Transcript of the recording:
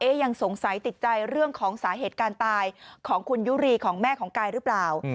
ยังสงสัยติดใจเรื่องของสาเหตุการณ์ตายของคุณยุรีของแม่ของกายหรือเปล่า